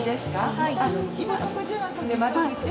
はい。